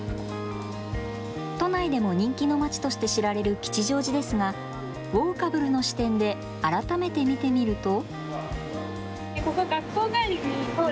都内でも人気のまちとして知られる吉祥寺ですがウォーカブルの視点で改めて見てみると。